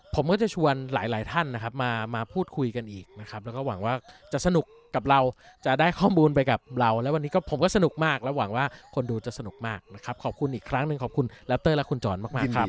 ผมก็จะชวนหลายหลายท่านนะครับมาพูดคุยกันอีกนะครับแล้วก็หวังว่าจะสนุกกับเราจะได้ข้อมูลไปกับเราแล้ววันนี้ก็ผมก็สนุกมากแล้วหวังว่าคนดูจะสนุกมากนะครับขอบคุณอีกครั้งหนึ่งขอบคุณแรปเตอร์และคุณจรมากครับ